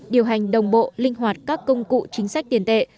điều hành đồng bộ linh hoạt các công cụ chính sách tiền tệ